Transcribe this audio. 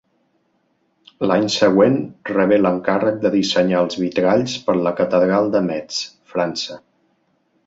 L'any següent rebé l'encàrrec de dissenyar els vitralls per la catedral de Metz, França.